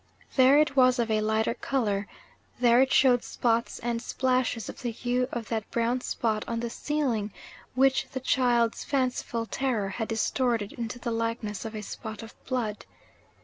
There it was of a lighter colour; there it showed spots and splashes of the hue of that brown spot on the ceiling, which the child's fanciful terror had distorted into the likeness of a spot of blood.